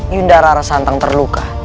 yunda rara santan terluka